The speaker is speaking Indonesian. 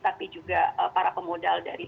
tapi juga para pemodal dari